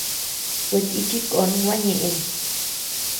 Kuetíchi kon gua ñeʼën.